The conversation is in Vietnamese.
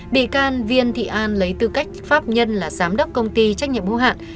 bị can viên thị an lấy tư cách pháp nhân là giám đốc công ty trách nhiệm hữu hạn